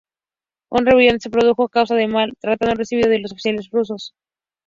La rebelión se produjo a causa del mal trato recibido de los oficiales rusos.